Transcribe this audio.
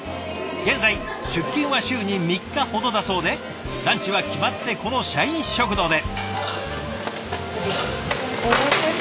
現在出勤は週に３日ほどだそうでランチは決まってこの社員食堂で。